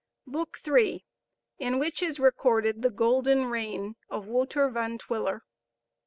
BOOK III. IN WHICH IS RECORDED THE GOLDEN REIGN OF WOUTER VAN TWILLER.